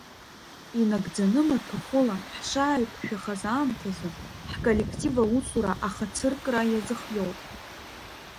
Инагӡаны маҭәахәыла ҳшааиқәшәахаз аамҭазы ҳқоллектив аусура ахацыркра иазхиоуп.